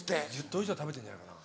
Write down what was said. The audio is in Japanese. １０頭以上は食べてんじゃないかな。